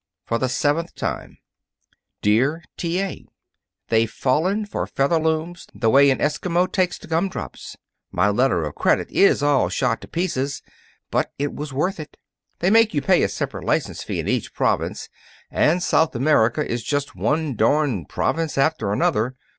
For the seventh time: DEAR T. A.: They've fallen for Featherlooms the way an Eskimo takes to gum drops. My letter of credit is all shot to pieces, but it was worth it. They make you pay a separate license fee in each province, and South America is just one darn province after another.